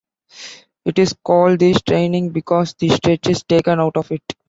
It is called the straining, because the stretch is taken out of it.